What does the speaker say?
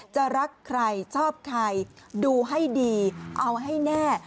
รักใครชอบใครดูให้ดีเอาให้แน่